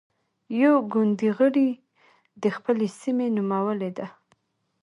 يوه ګوندي غړې د خپلې سيمې نومولې ده.